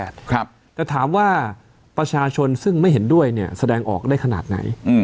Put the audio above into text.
แต่ถามว่าประชาชนซึ่งไม่เห็นด้วยเนี่ยแสดงออกได้ขนาดไหน